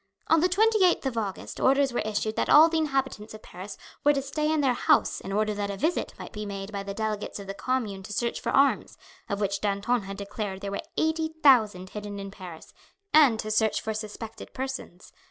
On the 28th of August orders were issued that all the inhabitants of Paris were to stay in their houses in order that a visit might be made by the delegates of the Commune to search for arms, of which Danton had declared there were eighty thousand hidden in Paris, and to search for suspected persons.